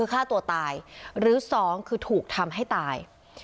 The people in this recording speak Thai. ๑ฆ่าตัวตาย๒ถูกทำให้ตาย